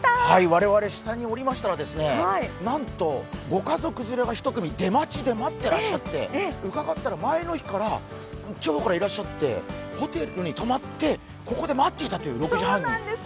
われわれ、下に下りましたらなんと、ご家族連れが出待ちで待っていらっしゃって、伺いましたら前の日から、地方からいらっしゃって、ホテルで泊まって、ここで待っていたという、６時半に。